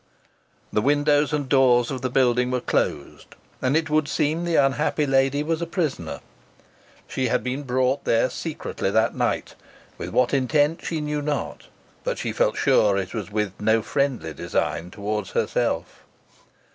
The windows and doors of the building were closed, and it would seem the unhappy lady was a prisoner. She had been brought there secretly that night, with what intent she knew not; but she felt sure it was with no friendly design towards herself.